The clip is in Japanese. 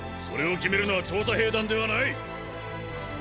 それを決めるのは調査兵団ではない！